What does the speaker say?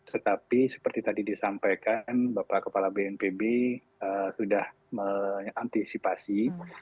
tetapi seperti tadi disampaikan bapak kepala bnpb sudah mengantisipasi